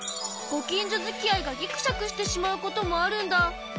ご近所づきあいがぎくしゃくしてしまうこともあるんだ。